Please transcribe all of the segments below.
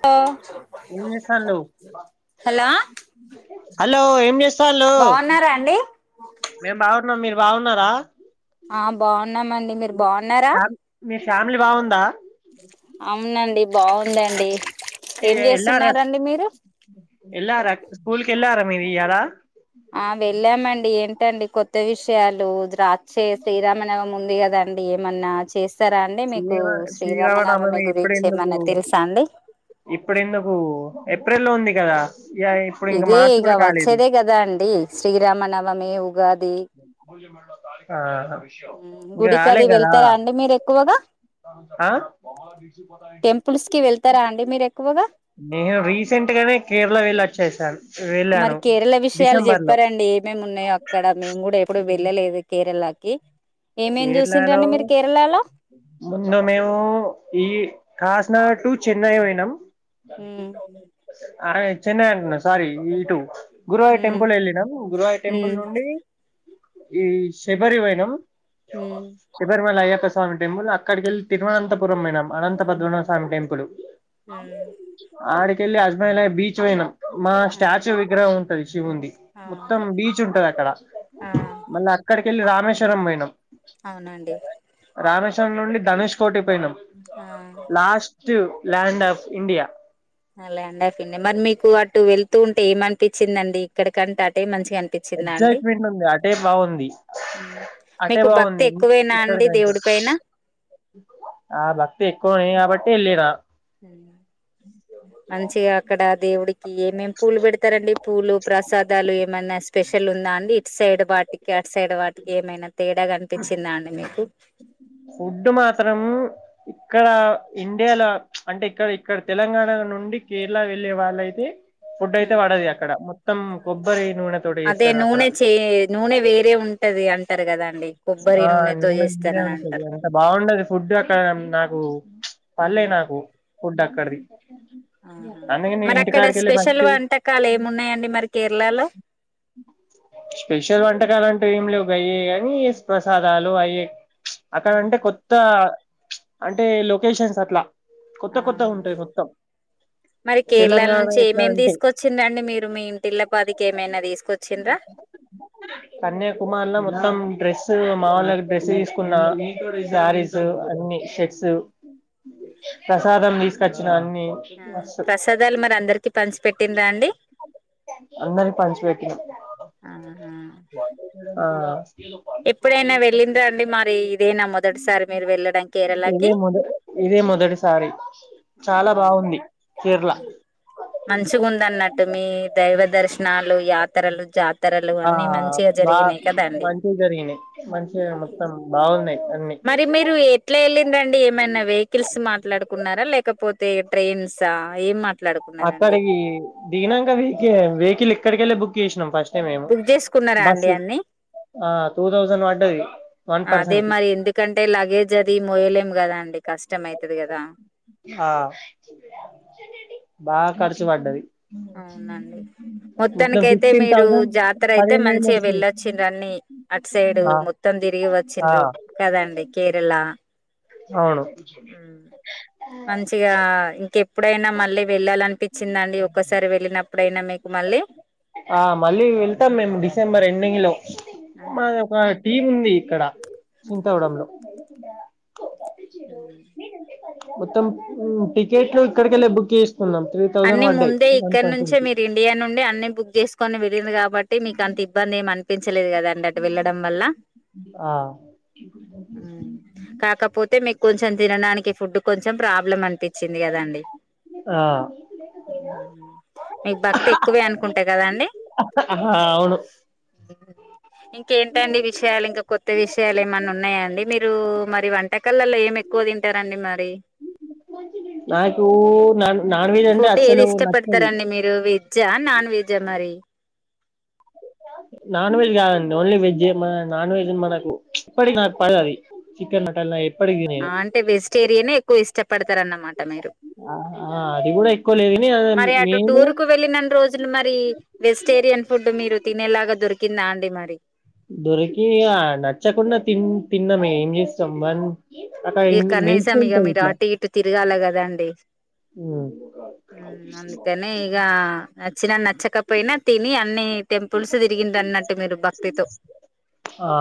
అ ఏం చేస్తాడావ్ hello hello ఏం చేస్తళ్ళు బాగున్నారా అండి మేం బాగున్నాం మీరు బావున్నారా ఆ బావున్నామండి మీరు బావున్నారా ఫ్యామ్ మీ ఫ్యామిలీ బావుందా అవునండి బాగు ఉందండి ఏం ఎల్లారా చేస్తున్నారంండి మీరు కేల్లారా మీరు ఇయ్యాల ఆ వెళ్ళామండి ఏంటండి కొత్త విషయాలు ద్ర చ్చే శ్రీరామనవమి ఉంది కదండి ఏమన్నా చే సారాండి మీకు శ్రీరామనవమి గురించి ఏమన్నా తెలుసా అండి ఇప్పుడు ఎందుకు ఏప్రిల్లో ఉంది కదా ఇగ ఇప్పుడు ఇంకా ఇదే మార్చి ఇగ కూడా కాలేదు వచ్చేదే కదా అండి శ్రీరామనవమి ఉగా ఆ ఇంగ గుడికి రాలే అది కదా వెళ్తారా అండి మీరు ఎక్కువగా ఆ టెంపుల్స్ కి వెళ్తారా అండి మీరు ఎక్కువగా నేను రీసెంట్గానే కేరళా వెళ్ళొచ్చేసాను వెళ్ళాను డిసెంబర్ లో ఎం ఉన్నాయ్ అక్కడ మేము కూడా ఎప్పుడూ వెళ్ళలేదు కేరళకి ఏమేం కేరళలో చూసిండ్రండి మీరు కేరళలో ముందు మేము ఈ కా ష్ణ టూ చెన్నై పోయినాం ఉమ్ అయ్ చెన్నై అంటున్న స్వారీ ఇటు గురువాయ్య ఉమ్ టెంపుల్ ఎళ్ళినం గురువాయ్య టెంపుల్ ఉమ్ నుండి ఈ శబరి పొయినాం ఉమ్ శబరిమల అయ్యప్ప స్వామి టెంపుల్ అక్కడికేళ్ళి తిరువనంతపురం పోయినాం అనంతపద్మనాథ స్వామి టెంపుల్ ఉమ్ ఆడికెళ్ళి అజ్మాలై బీచ్ పోయినా మా ఆ స్టాచ్యూ విగ్రహం ఉం శివుంది ఆ మొత్తం బీచ్ ఉంటది అక్కడ ఆ! మళ్ళీ అక్కడికేళ్ళి రామేశ్వరం పోయినం అవునండి చం నుండి ధనుష్ కోటి పోయినాం ఆ last land of India land of India మరి మీకు అటు వెళ్తూ ఉంటే ఏమనిపిచిందండి ఇక్కడికంటే అటే మంచి ఎగ్జైట్మెంట్ ఉంది అటే బాగుంది హ్మ్ అటే మీకు భక్తి బాగుంది ఎక్కువేనా అండి ఇక్కడికంటే దేవుడి పైన ఆ భక్తి ఎక్కువనే కాబట్టి ఎళ్లిన మంచిగా అక్కడ దేవుడి కి ఏమేం పూలు పెడతారంండి పూలు ప్రసాదాలు ఏమైనా స్పెషల్ ఉందా అండి ఇటు సైడ్ వాటికి సైడ్ వాటికి ఏమైనా తేడా కనిపిచిందా అండి మీకు ఫుడ్ మాత్రం ఇక్కడ ఇండియాలో అంటే ఇక్కడ ఇక్కడ తెలంగాణ నుండి కేరళ వెళ్ళే వాళ్ళైతే ఫుడ్ అయితే పడది అక్కడ మొత్తం కొబ్బరి నూనె తోటి చేస్తారు అక్కడ టది అంటారు కదండి ఆ నూనె నూనే ఉంటది అంత బాగుండది ఫుడ్ అక్కడ నాకు పల్లేె ఉమ్. నాకు ఫుడ్ అక్కడది ఆహా మరి అక్కడ స్పెషల్ వంటకాలు ఏమిన్నాయండి మరి కేరళలో స్పెషల్ వంటకాలు అంటూ ఏం లేవు గాయే గానీ ప్రసాదాలు అయే ఉమ్. అక్కడంటే కొత్త అంటే లొకేషన్స్ అట్లా కొత్త కొత్త ఆహా ఉంటాయి మొత్తం మరి కేరళా తెలంగాణ నుంచి ఎట్లా ఏమేమి అంటే తీసుకొచ్చిందండి మీరు మీ ఇంటిళ్ల పదికి ఏమైనా తీసుకొచ్చింరా కన్యాకుమార్ల మొత్తం, డ్రెస్ మావొళ్లకి డ్రెస్ తీసుకున్నా. ఉమ్. శారీస్, అన్ని షట్స్ ఉమ్. ప్రసాదం తీసుకొచ్చిన అన్ని ఆ మస్తు ప్రసాదాలు, మరి అందరికి పంచి పెట్టినరా అండి అందరికి పంచిపేట్టిన ఆహా ఆ ఎప్పుడైనా వెళ్ళింరాండి. మరి ఇదేనా మొదటిసారి, మీరు వెళ్ళడం ఇదే కేరళకి మొద ఇదే మొదటిసారి చాలా బాగుంది. కేరళ మంచిగుందన్నట్టు, మీ దైవ దర్శనాలు యాత్రలు జా తరలు ఆ అన్నీ, మంచిగా బా జరిగినాయ్ కదా అండి. మంచిగా జరిగినాయి మంచిగా మొత్తం బాగున్నాయి అన్ని మరి మీరు ఎట్లా ఎళ్ళింరండి. ఏమైనా వెకిల్అ హిల్స్ మాట్లాడుకున్నారా, లేకపోతే ట్రైన్స్ ఎం అక్కడికి దిగినాంక వెకిల్, ఇక్కడికెళ్ళి బుక్ చేసినాం. ఫస్ట్ బుక్ చేసుకున్నారా. అండి అన్ని ఆ టూ థౌజండ్ పడ్డది వన్ అదే, పర్సన్ కి మరి ఎందుకంటే లగేజ్ అది మోయలేం. గదా అండి కష్టంమయితది గదా! ఆ బాగా ఖర్చు పడ్డది. అవునండి, మొత్తం మొత్తానికి అయితే, ఫిఫ్టీన్ మీరు థౌసండ్ జాతర అయితే పదిహేను వేలు మంచిగా వచ్చినాయి వెళ్ళొచ్చింరు. అన్ని అటు సైడు ఆ మొత్తం తిరిగి ఆ వచ్చిన్ర కదండి. కేరళ అవును ఉమ్ మంచిగా ఇంకెప్పుడైనా మళ్ళీ వెళ్ళాలనిపించిందండి. ఒక్కసారి వెళ్ళినప్పుడు ఎప్పుడైనా, మీకు మళ్ళీ ఆ మళ్ళీ వెళ్తాం. మేము డిసెంబర్ ఎండింగ్ లో, ఆ మాది ఒక టీమ్. ఇక్కడ చింతగూడంలో ఉమ్ మొత్తం టికెట్లు, ఇక్కడి కెళ్ళే బుక్ చేస్త. అన్ని ముందే, ఇక్కడ నుంచే కి మీరు ఇండియా నుండి అ బుక్ చేసుకోని వెళ్ళినరు, కాబట్టి మీకు అంత ఇబ్బంది ఏమన్ తేలియదు. కదాండి అటు వెళ్ళడం వల్ల ఆ మ్ కాకపోతే మీకు కొంచెం తినడానికి, ఫుడ్ కొంచెం ప్రాబ్లం అనిపించింది. కదండి ఆ మీకు, భక్తి ఎక్కువే అనుకుంటా కదాండి. అవును ఇంకేంటండి విషయాలు, ఇంకా కొత్త విషయాలు ఏమన్నా ఉన్నాయాండి. మీరు మరి వంటకాలల్లో ఏమి ఎ క్కువ తింటారండి. మరి నాకూ నాన్ నాన్ వెజ్ అంటే ఫుడ్, ఏది అస్సలు నచ్చది ఇష్టపడతారండి. మీరు వెజ్జా నాన్ వెజ్జా మరి సీవ్ చాఫ్ నాన్ వెజ్ కాదండి, ఓన్లీ వెజ్ నాన్ వెజ్ మనకు ఇప్పటి నాకు పడదు. అది చికెన్ నటన్ ఆ అంటే, వెజిటేరియనే ఎక్కువ ఇష్టపడతారున్నమాట. అది గూడా ఎక్కువ లేదుగాని మరి అటు టూర్ కు వెళ్ళినన్నీ రోజులు, మరి వెజిటేరియన్ ఫుడ్, మీరు తినేలాగా దొరికిందా. అ టే మరి దొరికి అ నచ్చకుండా, తి తిన్నమ ఏం చేస్తాం. మన్ ఇ కనీసాం, ఇగా మీరు అటు ఇటు తిరగాల గదాండి. ఉమ్ మ్, అందుకనే ఇగా నాచ్చినా, నచ్చకపోయినా తిని అన్ని టెంపుల్స్ తిరిగి అన్నట్. మీరు భక్తితో, ఆ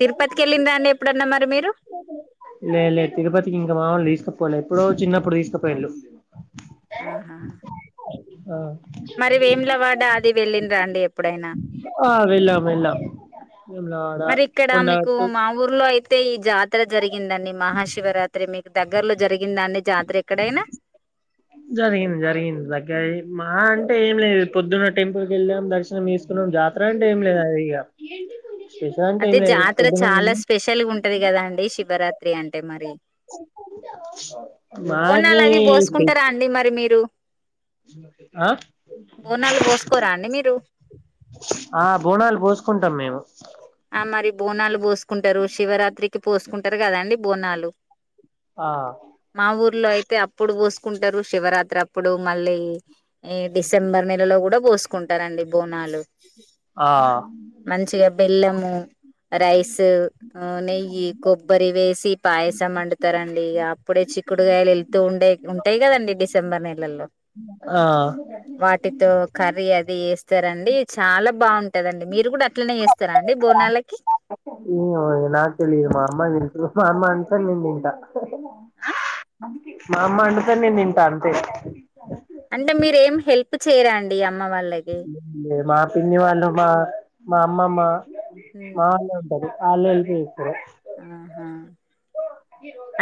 తిరుపతికి ఎళ్ళింరా, అండి ఎప్పుడన్నా మరి మీరు లే లేదు తిరుపతికి, ఇంకా మావొళ్ళులు తీసుకుపోలె, ఎప్పుడో చిన్నప్పుడు తీసుకుపోయిళ్ళు. ఆహా ఆ మరి వేములవాడ అది వెళ్ళిండ్రా అండి ఎప్పుడైనా ఆ వెళ్ళాం వెళ్ళాం వేములవాడ మరి ఇక్కడ మీకు కొండగట్టు మా ఊర్లో అయితే అయితే ఈ జాతర జరిగిందండి మహాశివరాత్రి మీకు దగ్గర్లో జరిగిందాండి జాతర ఎక్కడైనా ఆ జరిగింది జరిగింది దగ్గరే మా అంటే ఏం లేదు పొద్దున్న టెంపుల్ కి వెళ్ళాం దర్శనం చేసుకు ఇప్పుడు జాతర అంటే ఏం లేదు అది ఇగ స్పెషల్ అంటే అదే ఏం లేదు. జాతర పొద్దున చాలా పోయినం. స్పెషల్ గా ఉంటది కదా అండి శివరాత్రి అంటే మరి బోనాలు మాకి అవి స్పె పోసుకుంటారా అండి మరి మీరు ఆ బోనాలు పోసుకోరా అండి మీరు ఆ బోనాలు పోసుకుంటాం మేము ఆ మరి బోనాలు పోసుకుంటారు శివరాత్రికి పోసుకుంటారు కదా అండి బోనాలు ఆ మా ఊర్లో అయితే అప్పుడు పోసుకుంటారు శివరాత్రి అప్పుడు మళ్ళీ ఈ డిసెంబర్ నెలలో కూడా పోసుకుంటారండి బోనాలు ఆ! మంచిగా బెల్లము రైస్ నెయ్యి కొబ్బరి వేసి పాయసం వండుతారండి అప్పుడే చిక్కుడుగాయలు వెళ్తూ ఉండే ఉంటాయి కదండి డిసెంబర్ నెలల్లో ఆ వాటితో కర్రీ అది వేస్తారండి చాలా బాగుంటదండి మీరు కూడా అట్లనే చేస్తారా [unintelligible] అండి బోనాలకి ఏమో అండి నీకు తెలియదు మా అమ్మ మా అమ్మ వండితే నేను తింటా మా అమ్మ వండితే నేను తింటా అంతే అంటే మీర ఏం హెల్ప్ చేయరండి అ [inaudible] మా పిన్ని వాళ్ళు మా మా అమ్మమ్మ మా ఉమ్ వాళ్ళే ఉంటారు వాళ్లే చేస్తారు ఆహా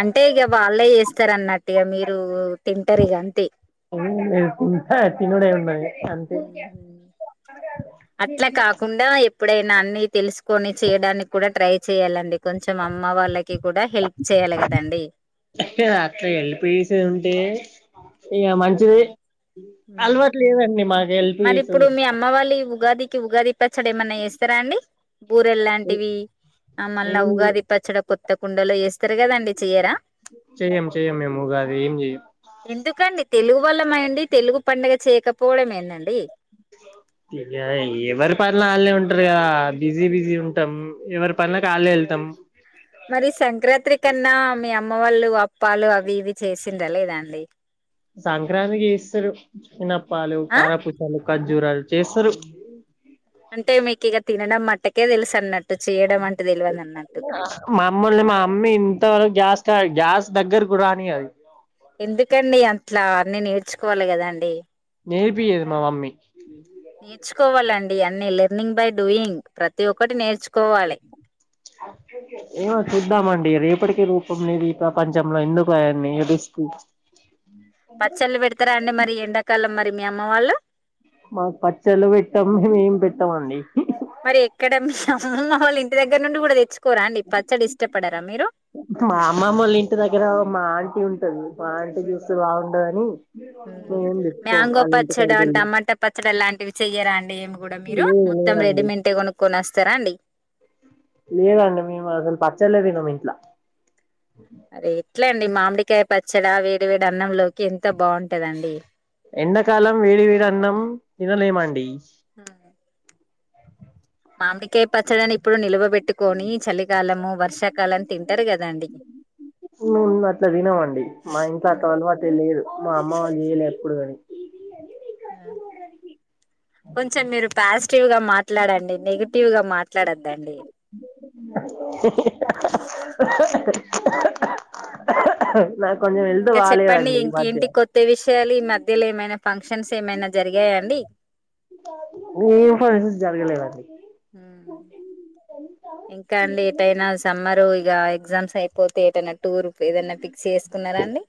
అంటే ఇగ వాళ్ళే చేస్తారు అన్నట్టు ఈగ మీరు తింటారు ఇగ అంతే ఊ అహ తినుడు ఏముండదు ఇగ ఉహు అట్లా కాకుండా ఎప్పుడైనా అన్ని తెలుసుకొని చేయడానికి కూడా ట్రై చేయ్యాలండి కొంచెం అమ్మ వాళ్ళకి కూడా హెల్ప్ చేయ్యాలి కదండి ఇగ అట్లా హెల్ప్ చేసేది ఉంటే ఇగ మంచిదే ఉమ్ అలవాటు లేదండి మాక మరి ఇప్పుడు మీ అమ్మ వాళ్ళు ఉగాదికి ఉగాది ఇప్పచ్చాడు ఏమన్నా చేస్తారా అండి బూరెలు లాంటివి ఆ మళ్ళీ ఏం ఉగాది పచ్చడి కొత్త కుండలో చేస్తారు కదండి చెయ్యరా చెయ్యం చెయ్యం మేము ఉగాది ఏం చెయ్యం ఎందుకండి తెలుగు వల్లము అయ్యుండి తెలుగు పండుగ చేయకపోవడం ఏందండి [inaudible] [inaudible] ఎవరి పనుల వాళ్ళ ఉంటారు కదా బిజీ బిజీ ఉంటాం ఎవరి పనులకి వల్లే ఏళ్లుతాం [unintelligible] మరి సంక్రాంతి కన్నా మీ అమ్మ వాళ్ళు అప్పాలు అవి ఇవి చేసిండ్రా లేదా అండి సంక్రాంతికి చేస్తారు చిన్నఅప్పాలు ఆ కారపూసలు కాజు జూరా చేస్తారు అంటే మీకు ఇగ తినడం మట్టుకే తెలుసు అన్నట్టు చేయడం అం మమ్మల్ని మా అమ్మ ఇంతవరకు గ్యాస్ కా గ్యాస్ దగ్గరకు రానీయదు ఇట్లా అన్నీ నేర్చుకోవాలి కదాండి నేర్పియ్యదు మా మమ్మీ కోవాలండి అన్ని లెర్నింగ్ బై డూయింగ్ ప్రతి ఒక్కటి నేర్చు ఏమో చూద్దాం అండి రేప్ ఇప్పటికీ రూపం లేని ప్రపంచంలో ఎందుకు అవన్ని రిస్కు పచ్చళ్ళు పెడతారా అండి మరి ఎండాకాలం మరి మీ అమ్మ వాళ్ళు మా పచ్చళ్ళు పెట్టాం మేము ఏం పెట్టామండి మరి ఎక్కడ మీ అమ్మమ్మ వాళ్ళ ఇంటి దగ్గర నుండి కూడా తెచ్ మా అమ్మ వాళ్ళ ఇంటి దగ్గర మా ఆంటీ ఉంటది మా ఆంటీ మీరు చూస్తే బాగుండదని మేమేం తెచ్చకోం ఆళ్ళ ఇంటికాడికికెళ్లి ఇటివి చెయ్యరా అండి ఏమి కూడా మీరు మొత్తం లేదండి రెడీమెంట్ ఎ కొనుక్కొస్తారా అండి లేదండి మేము అసలు పచ్చలేతినము ఇంట్ల అరే ఎట్ల అండి మామిడికాయ పచ్చడ వేడి వేడి అన్నంలోకి ఎంత బాగుంటదండి ఎండాకాలం వేడి వేడి అన్నం తినలేమండి మామిడికాయ పచ్చడని ఇప్పుడు నిలువబెట్టుకొని చలికాలము వర్ష కాలం తింటారు కదా అండి హ్మ్ అట్లా తనమండి మా ఇంట్లో అక అలవాటే ఏ లేదు మా అమ్మ వాళ్ళు చేయలే ఎప్పుడు గాని అ కొంచం మీరు పాజిటివ్ గా మాట్లాడండి నెగటివ్ గా మాట్లాడొద్దండి నాకు హ్మ్ కొంచెం హెల్త్ ఇంకా చెప్పండి బాలేదండి ఈ మధ్య ఇంకేంటి కొత్త విషయాలు ఈ మధ్యలో ఏమైనా ఫంక్షన్స్ ఏమైనా జరిగాయండి ఏం ఫంక్షన్స్ జరగలేదండి హ్మ్ ఇంకా అండి ఎటైనా సమ్మరు ఇగ ఎగ్జామ్స్ అయిపోతే ఎటైనా టూర్ ఏదన్న ఫిక్స్ చేసుకున్నారా అండి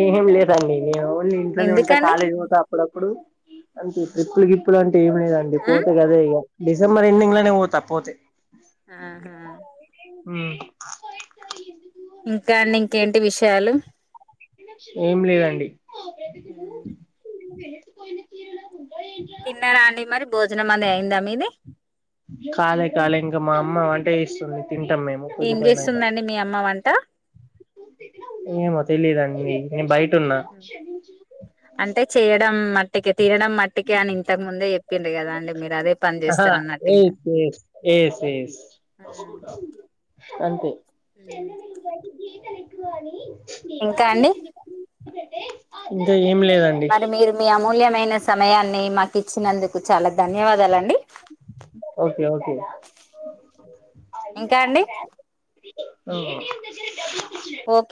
ఏం లేదండి నే ఓన్లీ ఇంట్లోనే ఉంటా ఎందుకండి కాలేజీ పోత అప్పుడప్పుడు అంతే ట్రిప్పులు గిప్పులు అంటే ఏమి లేదండి ఉమ్ పోతే గదే ఇగ డిసెంబర్ ఎండింగ్ లోనే పోతా పోతే ఆహా హ్మ్ ఇంకా అండి ఇంకేంటి విషయాలు ఏం లేదండి హ్మ్ తిన్నారా అండి మరి భోజనం అది అయిందా మీది కాలే కాలే ఇంకా మా అమ్మ వంట చేస్తుంది తింటాం మేము ఏం కొద్దిపోయినంక చేస్తుందండి మీ అమ్మ వంట ఏమో తెలీదండి నేను బయట్ అంటే చేయడం మట్టికి తినడం మట్టికె అని ఇంతక ముందే చెప్పింది కదా అండి మీరు అదే పని ఆహా చేస్తారు అన్నట్టు ఇంకా ఎస్ ఎస్ ఎస్ ఎస్ అంతే హ్మ్ కకువని ఇంకా అండి ఇంక ఎ మరి మీరు మీ అమూల్యమైన సమయాన్ని మాకు ఇచ్చినందుకు చాలా ధన్యవాదాలండి ఓకే ఓకే ఇంకా అండి [unintelligible] ఓకే